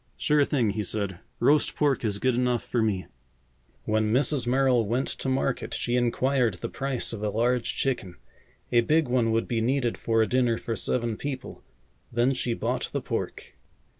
"Sure thing," he said. "Roast pork is good enough for me." When Mrs. Merrill went to market she inquired the price of a large chicken. A big one would be needed for a dinner for seven people. Then she bought the pork.